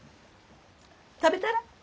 食べたら？